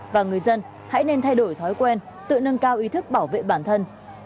và người dân hãy nên thay đổi thói quen tự nâng cao ý thức bảo vệ bản thân